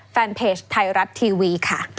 แฟนเพจไทยรัฐทีวีค่ะ